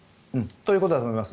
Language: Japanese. そういうことだと思います。